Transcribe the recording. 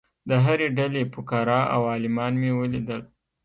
د هرې ډلې فقراء او عالمان مې ولیدل.